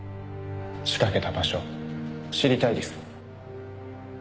仕掛けた場所知りたいですか？